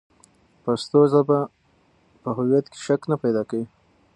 پښتو ژبه په هویت کې شک نه پیدا کوي.